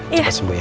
cepat sembuh ya